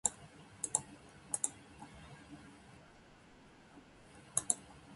きみはだれですか。